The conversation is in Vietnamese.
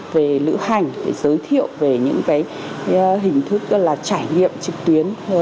về lữ hành giới thiệu về những cái hình thức gọi là trải nghiệm trực tuyến